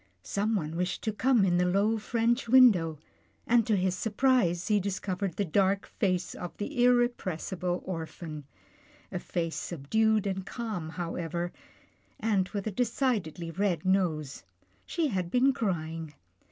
Someone wished to come in the low, French window, and to his sur prise, he discovered the dark face of the irrepressi ble orphan. A face subdued and calm however, and with a decidedly red nose. She had been crying.